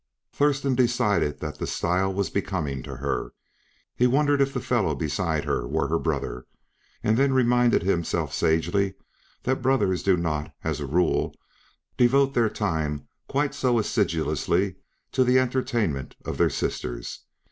Thurston decided that the style was becoming to her. He wondered if the fellow beside her were her brother; and then reminded himself sagely that brothers do not, as a rule, devote their time quite so assiduously to the entertainment of their sisters.